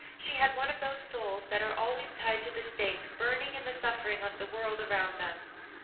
She had one of those souls that are always tied to the stake, burning in the suffering of the world around them.